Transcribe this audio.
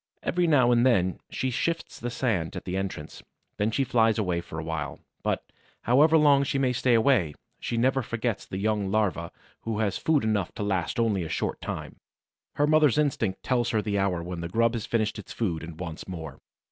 Every now and then she sifts the sand at the entrance; then she flies away for a while. But, however long she may stay away, she never forgets the young larva who has food enough to last only a short time; her mother's instinct tells her the hour when the grub has finished its food and wants more.